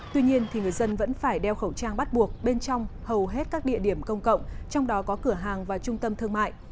tuy nhiên người dân vẫn phải đeo khẩu trang bắt buộc bên trong hầu hết các địa điểm công cộng trong đó có cửa hàng và trung tâm thương mại